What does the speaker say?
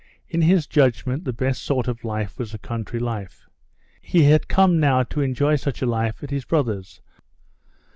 In his judgment the best sort of life was a country life. He had come now to enjoy such a life at his brother's.